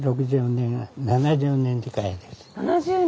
７０年！